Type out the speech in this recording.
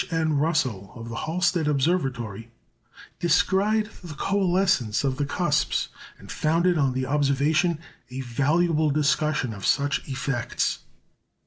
N. Russell, of the Halsted Observatory, descried the coalescence of the cusps, and founded on the observation a valuable discussion of such effects.